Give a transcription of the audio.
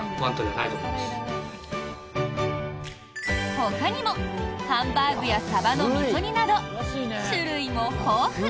ほかにも、ハンバーグやさばの味噌煮など種類も豊富。